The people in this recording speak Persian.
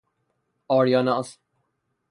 آریاناز